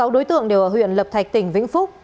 sáu đối tượng đều ở huyện lập thạch tỉnh vĩnh phúc